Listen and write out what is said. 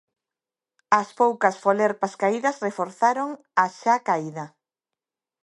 As poucas folerpas caídas reforzaron a xa caída.